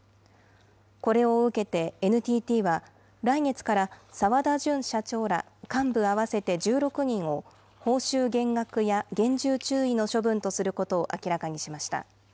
これを受けてＮＴＴは、来月から澤田純社長ら幹部合わせて１６人を、報酬減額や厳重注意の処分とすることを明らかにしました。